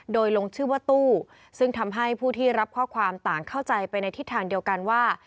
โดยลงชื่อว่าตู้ซึ่งทำให้ผู้ที่รับข้อความต่างเข้าใจไปในทิศทางเดียวกันว่า